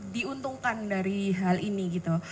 diuntungkan dari hal ini gitu